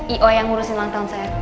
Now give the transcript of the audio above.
io yang ngurusin langkah langkah saya